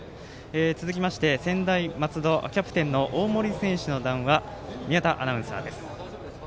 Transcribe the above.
続きまして、専大松戸キャプテンの大森選手の談話を宮田アナウンサーです。